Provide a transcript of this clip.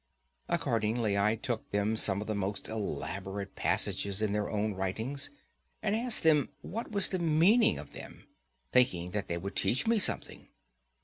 Accordingly, I took them some of the most elaborate passages in their own writings, and asked what was the meaning of them—thinking that they would teach me something.